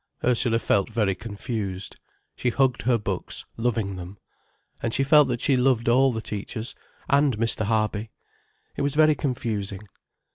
Ursula felt very confused. She hugged her books, loving them. And she felt that she loved all the teachers, and Mr. Harby. It was very confusing.